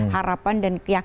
harapan dan kekayaan